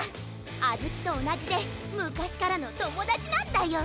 あずきとおなじでむかしからのともだちなんだよ。